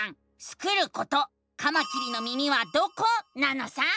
スクること「カマキリの耳はどこ？」なのさ！